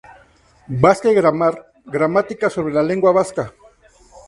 Basque Grammar: Gramática sobre la lengua vasca.